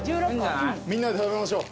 みんなで食べましょう。